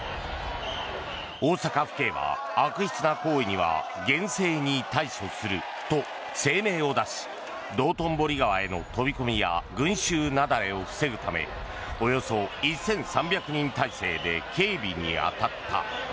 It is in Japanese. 大阪府警は、悪質な行為には厳正に対処すると声明を出し道頓堀川への飛び込みや群衆雪崩を防ぐためおよそ１３００人態勢で警備に当たった。